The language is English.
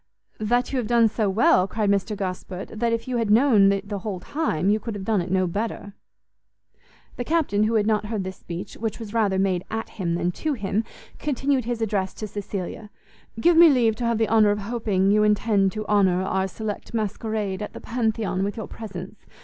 "That you have done so well," cried Mr Gosport, "that if you had known it the whole time, you could have done it no better." The Captain, who had not heard this speech, which was rather made at him than to him, continued his address to Cecilia; "Give me leave to have the honour of hoping you intend to honour our select masquerade at the Pantheon with your presence.